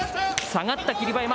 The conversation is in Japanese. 下がった霧馬山。